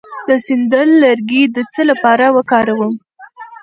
د سندل لرګی د څه لپاره وکاروم؟